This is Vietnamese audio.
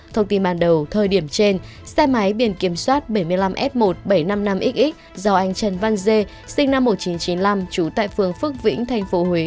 thông tin ban đầu thời điểm trên xe máy biển kiểm soát bảy mươi năm f một nghìn bảy trăm năm mươi năm x do anh trần văn dê sinh năm một nghìn chín trăm chín mươi năm trú tại phường phước vĩnh tp huế